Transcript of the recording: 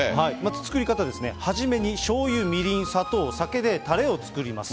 作り方ですね、初めにしょうゆ、みりん、砂糖、酒でたれを作ります。